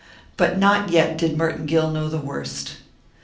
But not yet did Merton Gill know the worst.